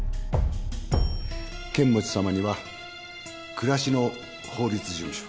剣持さまには暮らしの法律事務所。